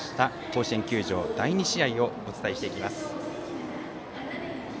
甲子園球場、第２試合をお伝えしていきます。